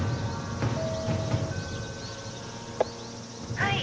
「はい」